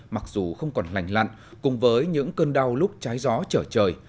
mặc dù không còn lành lặn cùng với những cơn đau lúc trái gió trở trời